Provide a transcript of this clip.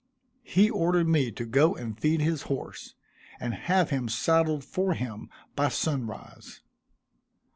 He ordered me to go and feed his horse, and have him saddled for him by sunrise.